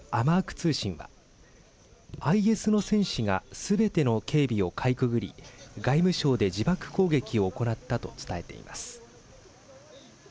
通信は、ＩＳの戦士がすべての警備をかいくぐり外務省で自爆攻撃を行ったと伝えています。